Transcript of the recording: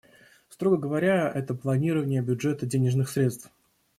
Строго говоря, это планирование бюджета денежных средств.